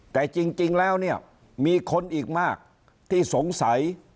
แต่จริงแล้วเนี่ยมีคนอีกมากที่สงสัย